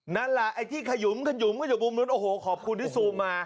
นั่นแหละไอ้ที่ขยุมก็จะบุมรุ้นโอ้โหขอบคุณที่ซูมมา